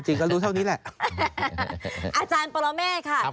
จริงก็รู้เท่านี้แหละ